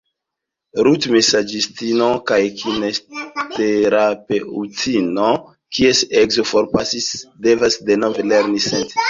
Ruth, masaĝistino kaj kinesiterapeŭtino kies edzo forpasis, devas denove lerni senti.